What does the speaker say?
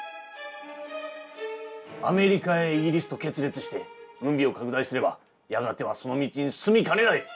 アメリカイギリスと決裂して軍備を拡大すればやがてはその道に進みかねない！